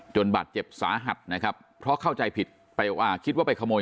บาดเจ็บสาหัสนะครับเพราะเข้าใจผิดไปคิดว่าไปขโมย